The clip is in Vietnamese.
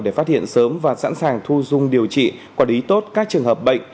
để phát hiện sớm và sẵn sàng thu dung điều trị quản lý tốt các trường hợp bệnh